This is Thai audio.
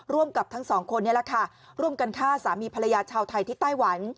กับทั้งสองคนนี้แหละค่ะร่วมกันฆ่าสามีภรรยาชาวไทยที่ไต้หวัน